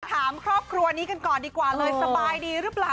ถามครอบครัวนี้กันก่อนดีกว่าเลยสบายดีหรือเปล่า